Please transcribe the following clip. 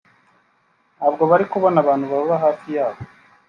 ntabwo bari kubona abantu baba hafi yabo